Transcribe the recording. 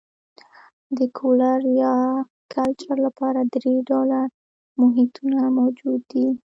د کرلو یا کلچر لپاره درې ډوله محیطونه موجود دي.